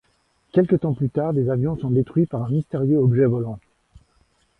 Quelque temps plus tard des avions sont détruits par un mystérieux objet volant...